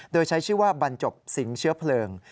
โดยใช้ชื่อว่าบรรจบสิงเชื้อเพลิง